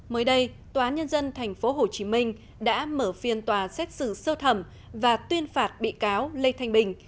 mới đây tòa nhân dân tp hcm đã mở phiên tòa xét xử sơ thẩm và tuyên phạt bị cáo lê thanh bình